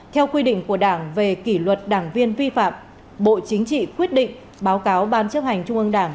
theo quy định của đảng về kỷ luật đảng viên vi phạm bộ chính trị quyết định báo cáo ban chấp hành trung ương đảng